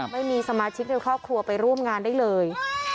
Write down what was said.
ไม่มีสมาชิกในครอบครัวไปร่วมงานได้เลย